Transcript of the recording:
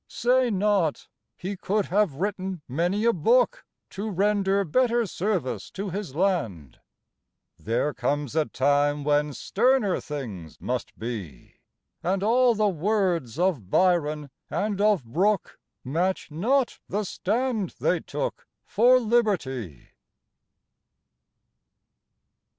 Say not, "He could have written many a book, To render better service to his land." There comes a time when sterner things must be, And all the words of Byron and of Brooke Match not the stand they took for liberty.